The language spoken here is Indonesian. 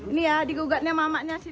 ini ya digugatnya mamaknya